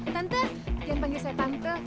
tante jangan panggil saya tante